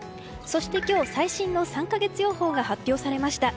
そして今日、最新の３か月予報が発表されました。